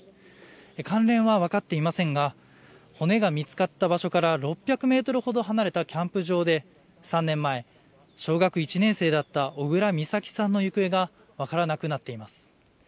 関連は分かっていませんが骨が見つかった場所から６００メートルほど離れたキャンプ場で３年前、小学１年生だった小倉美咲さんの行方が分からなくなっています。